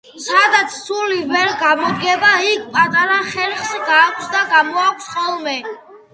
სადაც ცული ვერ გამოდგება, იქ პატარა ხერხს გააქვს და გამოაქვს ხოლმე